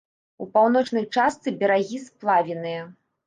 У паўночнай частцы берагі сплавінныя.